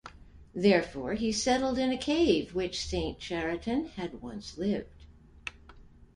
Therefore, he settled in a cave which Saint Chariton had once lived.